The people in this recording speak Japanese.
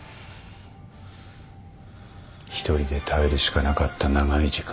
一人で耐えるしかなかった長い時間。